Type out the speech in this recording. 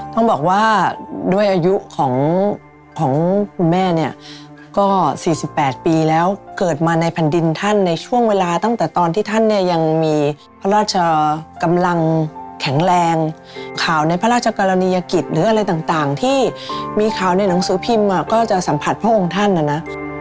ต้องบอกว่าด้วยอายุของคุณแม่เนี่ยก็๔๘ปีแล้วเกิดมาในแผ่นดินท่านในช่วงเวลาตั้งแต่ตอนที่ท่านเนี่ยยังมีพระราชกำลังแข็งแรงข่าวในพระราชกรณียกิจหรืออะไรต่างที่มีข่าวในหนังสือพิมพ์ก็จะสัมผัสพระองค์ท่านนะนะ